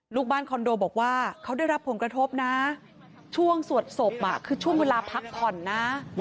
ลูกบ้านคอนโดบอกว่าเขาได้รับผลกระทบนะช่วงสวดศพคือช่วงเวลาพักผ่อนนะ